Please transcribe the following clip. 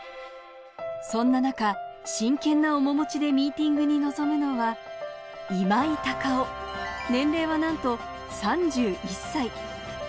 そんな中、真剣な面持ちでミーティングに臨むのは今井隆生、年齢はなんと３１歳。